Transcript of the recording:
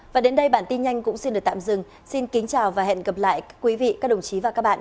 cảm ơn các bạn đã theo dõi và hẹn gặp lại